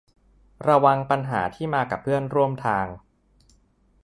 ระวังปัญหาที่มากับเพื่อนร่วมทาง